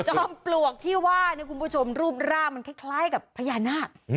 จอมปลวกที่ว่านะคุณผู้ชมรูปร่างมันคล้ายกับพญานาค